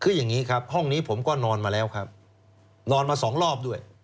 คืออย่างนี้ครับห้องนี้ผมก็นอนมาแล้วครับนอนมาสองรอบด้วย